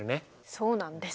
そうなんです。